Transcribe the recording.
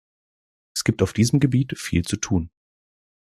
Es gibt auf diesem Gebiet viel zu tun.